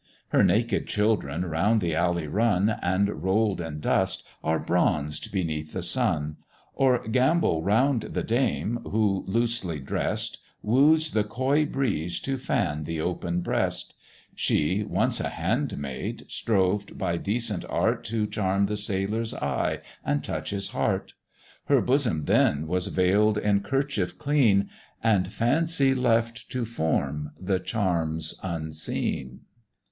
Her naked children round the alley run, And roll'd in dust, are bronzed beneath the sun, Or gambol round the dame, who, loosely dress'd, Woos the coy breeze to fan the open breast: She, once a handmaid, strove by decent art To charm her sailor's eye and touch his heart; Her bosom then was veil'd in kerchief clean, And fancy left to form the charms unseen.